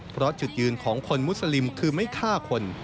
เพราะจุดยืนของคนมุสลิมคือไม่ฆ่าคน